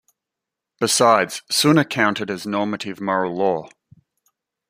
Besides, sunnah counted as normative moral law.